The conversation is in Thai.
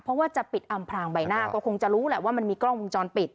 เพราะว่าจะปิดอำพลางใบหน้าก็คงจะรู้แหละว่ามันมีกล้องวงจรปิด